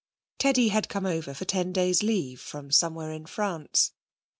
Teddy had come over for ten days' leave from somewhere in France.